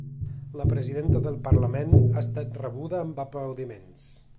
La presidenta del parlament ha estat rebuda amb aplaudiments.